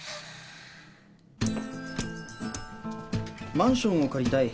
マンションを借りたい？